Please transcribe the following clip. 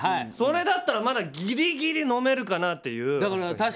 それだったらまだギリギリのめるかなっていう。